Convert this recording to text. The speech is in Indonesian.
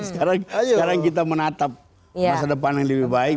sekarang kita menatap masa depan yang lebih baik